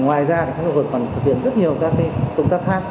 ngoài ra cảnh sát khu vực còn thực hiện rất nhiều các công tác khác